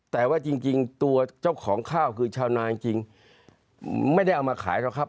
แต่ว่าจริงตัวเจ้าของข้าวคือชาวนาจริงไม่ได้เอามาขายหรอกครับ